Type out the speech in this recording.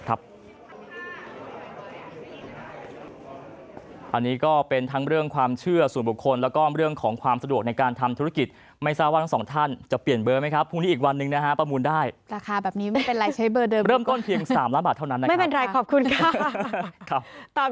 อันนี้ก็เป็นทั้งเรื่องความเชื่อส่วนบุคคลแล้วก็เรื่องของความสะดวกในการทำธุรกิจไม่ทราบว่าทั้งสองท่านจะเปลี่ยนเบอร์ไหมครับพรุ่งนี้อีกวันหนึ่งนะฮะประมูลได้ราคาแบบนี้ไม่เป็นไรใช้เบอร์เดิมเริ่มต้นเพียง๓ล้านบาทเท่านั้นนะครับไม่เป็นไรขอบคุณค่ะ